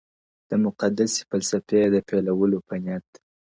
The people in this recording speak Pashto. د مقدسي فلسفې د پيلولو په نيت-